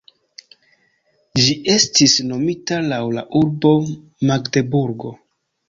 Ĝi estis nomita laŭ la urbo Magdeburgo.